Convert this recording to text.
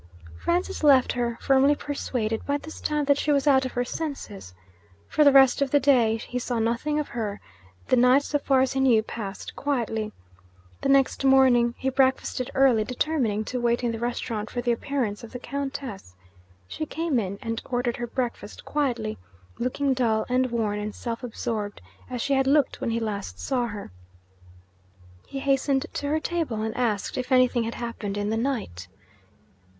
Francis left her, firmly persuaded by this time that she was out of her senses. For the rest of the day, he saw nothing of her. The night, so far as he knew, passed quietly. The next morning he breakfasted early, determining to wait in the restaurant for the appearance of the Countess. She came in and ordered her breakfast quietly, looking dull and worn and self absorbed, as she had looked when he last saw her. He hastened to her table, and asked if anything had happened in the night.